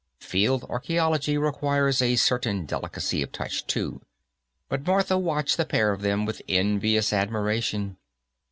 Field archaeology requires a certain delicacy of touch, too, but Martha watched the pair of them with envious admiration.